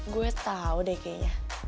gue tahu deh kayaknya